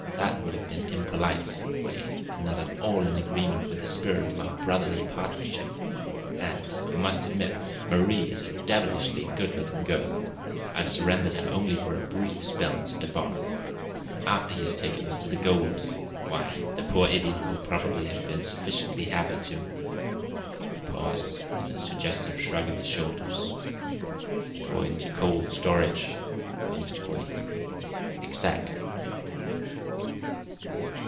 "That would have been impolite, Quade, and not at all in agreement with the spirit of our brotherly partnership. And, you must admit, Marie is a devilish good looking girl. I've surrendered her only for a brief spell to DeBar. After he has taken us to the gold why, the poor idiot will probably have been sufficiently happy to " He paused, with a suggestive shrug of his shoulders. " go into cold storage," finished Quade. "Exactly."